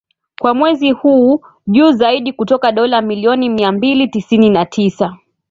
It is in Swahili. kwa mwezi huu juu zaidi kutoka dola milioni mia mbili tisini na tisa